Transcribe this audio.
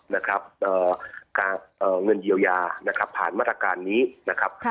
เงินเยียวยาผ่านมาตรการนี้นะครับ